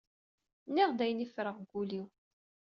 Nniɣ-d ayen i ffreɣ g ul-iw.